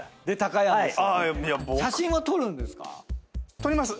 撮ります。